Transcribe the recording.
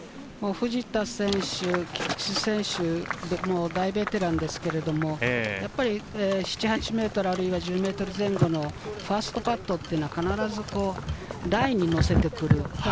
藤田選手、菊地選手、大ベテランですけれど、やっぱり７８ｍ、あるいは１０ｍ前後のファーストパットは必ずラインに乗せてくる。